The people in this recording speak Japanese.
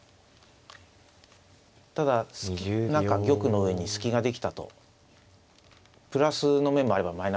ただ何か玉の上に隙ができたとプラスの面もあればマイナスの面もあるんですね。